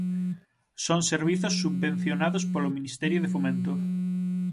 Son servizos subvencionados polo Ministerio de Fomento.